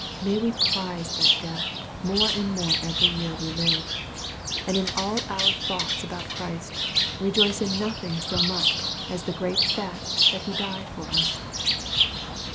May we prize that death more and more every year we live ; and in all our thoughts about Christ, rejoice in nothing so much as the great fact that He died for us